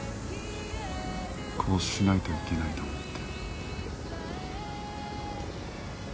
こうしないといけないと思って。